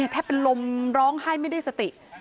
แทบเป็นลมร้องไห้ไม่ได้สติ